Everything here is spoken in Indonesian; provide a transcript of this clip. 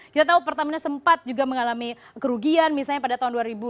kita tahu pertamina sempat juga mengalami kerugian misalnya pada tahun dua ribu lima belas